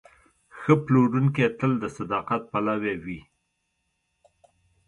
ښه پلورونکی تل د صداقت پلوی وي.